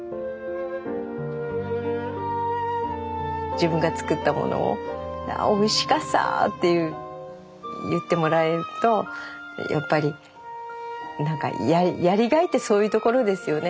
自分が作ったものをおいしかさって言ってもらえるとやっぱりやりがいってそういうところですよね。